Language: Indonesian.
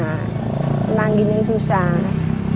semangginya susah semangginya susah